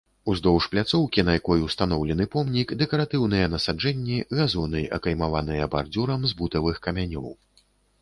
Уздоўж пляцоўкі, на якой устаноўлены помнік, дэкаратыўныя насаджэнні, газоны, акаймаваныя бардзюрам з бутавых камянёў.